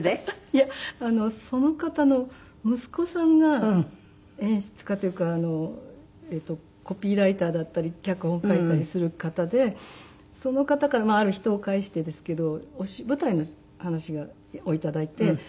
いやその方の息子さんが演出家というかコピーライターだったり脚本書いたりする方でその方からある人を介してですけど舞台の話を頂いて。